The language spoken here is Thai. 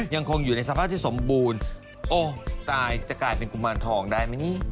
ยังคงอยู่ในสภาพที่สมบูรณ์โอ้ตายจะกลายเป็นกุมารทองได้ไหมนี่